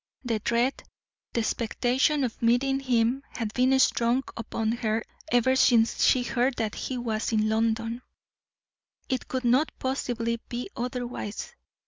The dread, the expectation of meeting him had been strong upon her ever since she heard that he was in London it could not possibly be otherwise.